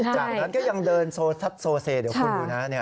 จากนั้นก็ยังเดินโซซัดโซเซเดี๋ยวคุณดูนะ